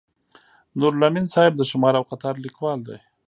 نورالامین صاحب د شمار او قطار لیکوال دی.